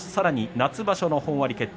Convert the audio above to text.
夏場所の本割決定